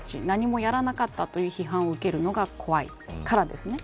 何もやらなかったという批判を受けるのが怖いからです。